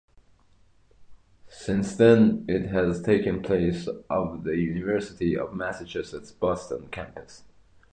Since then it has taken place on the University of Massachusetts-Boston campus.